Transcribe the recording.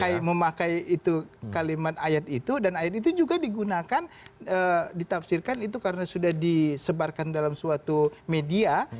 karena memakai itu kalimat ayat itu dan ayat itu juga digunakan ditafsirkan itu karena sudah disebarkan dalam suatu media